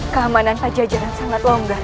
keamanan pajajaran sangat longgar